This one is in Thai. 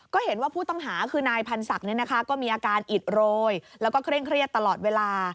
ก็เห็นว่าผู้ต้องหาคือนายพันศักดิ์ก็มีอาการอิดโรยแล้วก็เคร่งเครียดตลอดเวลา